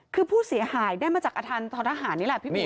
คือผู้เสียหายได้มาจากอาคารท้อทหารนี่แหละพี่อุ๋